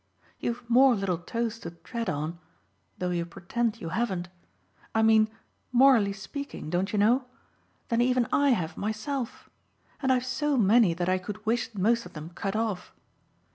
You've more little toes to tread on though you pretend you haven't: I mean morally speaking, don't you know? than even I have myself, and I've so many that I could wish most of them cut off.